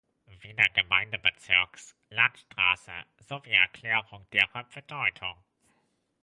Wiener Gemeindebezirks, Landstraße, sowie Erklärung derer Bedeutung.